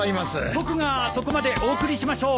僕がそこまでお送りしましょう。